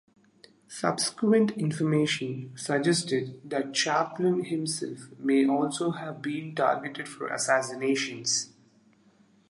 Subsequent information suggested that Chaplin himself may also have been targeted for assassination.